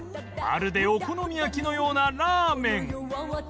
まるでお好み焼きのようなラーメン